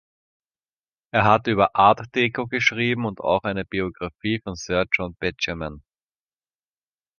Er hat über Art Deco geschrieben und auch eine Biographie von Sir John Betjeman.